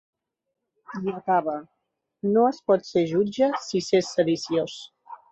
I acaba: ‘No es pot ser jutge si s’és sediciós’.